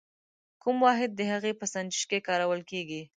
کوم واحد د هغې په سنجش کې کارول کیږي؟